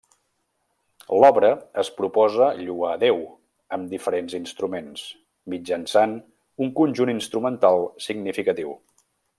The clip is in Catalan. L'obra es proposa lloar Déu amb diferents instruments, mitjançant un conjunt instrumental significatiu.